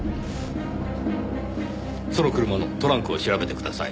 その車のトランクを調べてください。